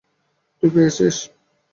তুই পেয়েছিস?